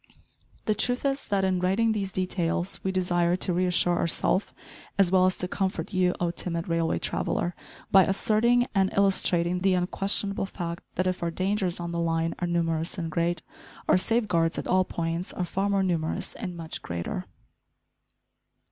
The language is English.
The truth is, that in writing these details we desire to reassure ourself, as well as to comfort you, O timid railway traveller, by asserting and illustrating the unquestionable fact, that if our dangers on the line are numerous and great, our safeguards at all points are far more numerous and much greater.